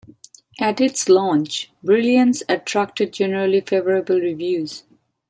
At its launch, Brilliance attracted generally favorable reviews.